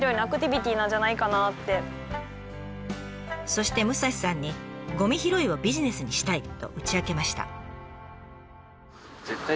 そして武蔵さんに「ゴミ拾いをビジネスにしたい」と打ち明けました。